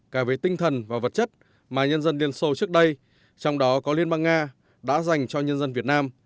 cả về tinh thần và vật chất mà nhân dân liên xô trước đây trong đó có liên bang nga đã dành cho nhân dân việt nam